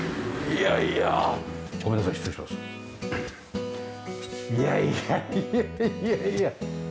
いやいやいやいやいや。